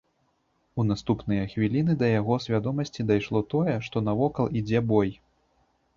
У наступныя хвіліны да яго свядомасці дайшло тое, што навокал ідзе бой.